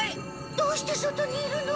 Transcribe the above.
どうして外にいるの？